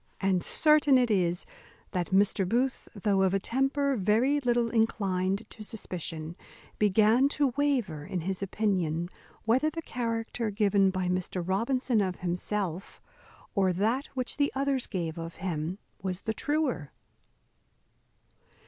And certain it is, that Mr. Booth, though of a temper very little inclined to suspicion, began to waver in his opinion whether the character given by Mr. Robinson of himself, or that which the others gave of him, was the truer.